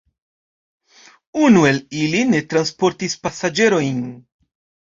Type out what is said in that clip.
Unu el ili ne transportis pasaĝerojn.